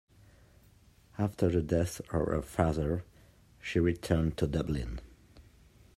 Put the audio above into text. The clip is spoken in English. After the death of her father, she returned to Dublin.